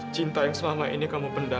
cinta yang selama ini kamu penda